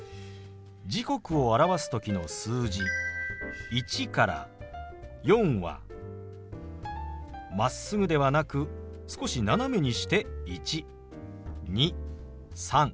時刻を表す時の数字１から４はまっすぐではなく少し斜めにして１２３４。